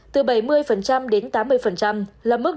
từ bảy mươi đến tám mươi là mức độ an toàn trung bình